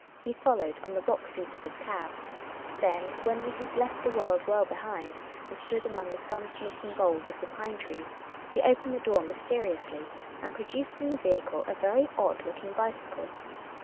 He followed, on the box seat of his cab. Then, when we had left the world well behind, and stood among the sun smitten boles of the pine trees, he opened the door mysteriously, and produced from the vehicle a very odd looking bicycle.